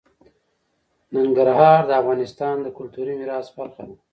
ننګرهار د افغانستان د کلتوري میراث برخه ده.